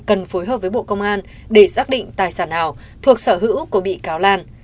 cần phối hợp với bộ công an để xác định tài sản nào thuộc sở hữu của bị cáo lan